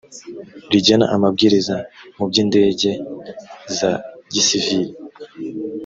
rigena amabwiriza mu by indege za gisivili